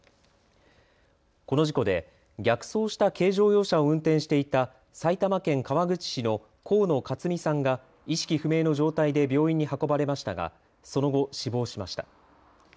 この事故で逆走した軽乗用車を運転していた埼玉県川口市の河野勝美さんが意識不明の状態で病院に運ばれましたがその後、死亡しました。